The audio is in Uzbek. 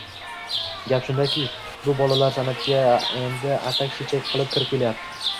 — Gap shundaki, bu bolalar san’atga endi atak-chechak qilib kirib kelyapti.